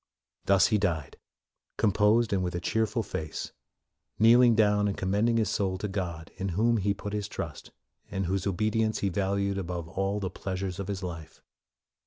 Thus he died, composed and with a cheerful face, kneeling down and com mending his soul to God in whom he put his trust, and whose obedience he valued above all the pleasures of his life.